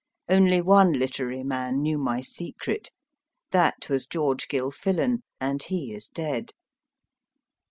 Only one literary man knew my secret. That was George Gilfillan, and he is dead.